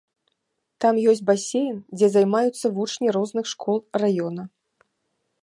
Там ёсць басейн, дзе займаюцца вучні розных школ раёна.